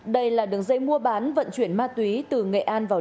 đây là đường dây mua bán vận chuyển ma túy từ nghệ an vào lâm đồng